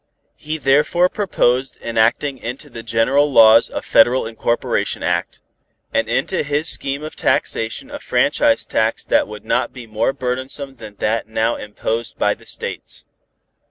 He therefore proposed enacting into the general laws a Federal Incorporation Act, and into his scheme of taxation a franchise tax that would not be more burdensome than that now imposed by the States.